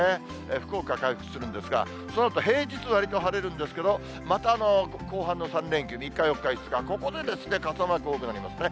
福岡は回復するんですが、そのあと、平日わりと晴れるんですけど、また後半の３連休、３日、４日、５日、午後で傘マーク多くなりますね。